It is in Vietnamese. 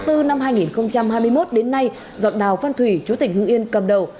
từ năm hai nghìn hai mươi một đến nay dọn đào phan thủy chú tỉnh hương yên cầm đầu